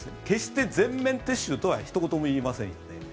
決して全面撤収とはひと言も言いませんので。